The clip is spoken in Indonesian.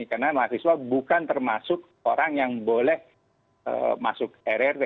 karena mahasiswa bukan termasuk orang yang boleh masuk rrt